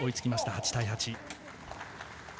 ８対８。